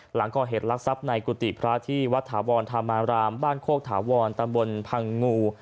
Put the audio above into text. หลังก่อเหตุลักษัพในกุฏิพระที่วัดถาวรธรรมารามบ้านโคกถาวรตำบลพังงู